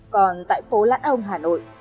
còn tại phố lãn âu hà nội